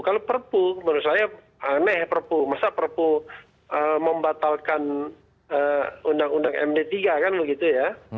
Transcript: kalau perpu menurut saya aneh perpu masa perpu membatalkan undang undang md tiga kan begitu ya